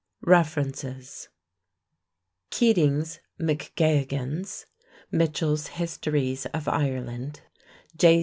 REFERENCES: Keating's, MacGeoghegan's, Mitchel's Histories of Ireland; J.